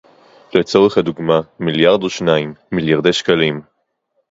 לצורך הדוגמה מיליארד או שניים מיליארדי שקלים